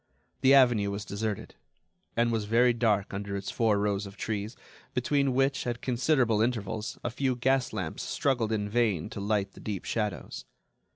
The avenue was deserted, and was very dark under its four rows of trees, between which, at considerable intervals, a few gas lamps struggled in vain to light the deep shadows.